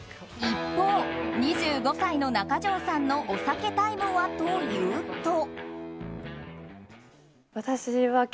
一方、２５歳の中条さんのお酒タイムはというと。